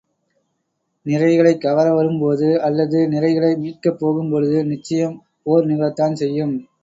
நிறைகளைக் கவர வரும்போது அல்லது நிரைகளை மீட்கப் போகும்பொழுது நிச்சயம் போர் நிகழத்தான் செய்யும்.